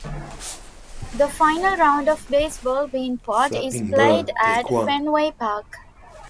The final round of the baseball Beanpot is played at Fenway Park.